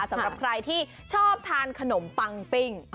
สำหรับใครที่ชอบทานขนมปังปิ้ง